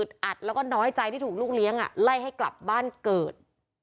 อัดแล้วก็น้อยใจที่ถูกลูกเลี้ยงไล่ให้กลับบ้านเกิด